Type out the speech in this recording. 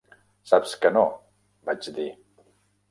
"Saps que no", vaig dir.